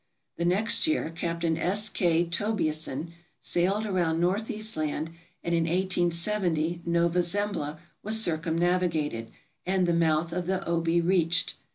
The next year Captain S. K. Tobieson sailed around Northeast Land, and in 1870 Nova Zembla was circumnavigated, and the mouth of the Obi reached.